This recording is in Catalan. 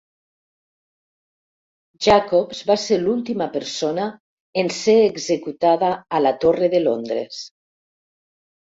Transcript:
Jacobs va ser l'última persona en ser executada a la Torre de Londres.